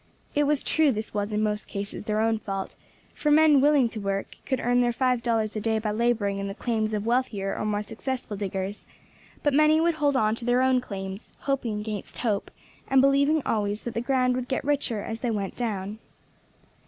It was true this was in most cases their own fault, for men willing to work could earn their five dollars a day by labouring in the claims of wealthier or more successful diggers; but many would hold on to their own claims, hoping against hope, and believing always that the ground would get richer as they went down.